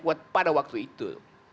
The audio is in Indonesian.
itu sudah diangkat pada waktu itu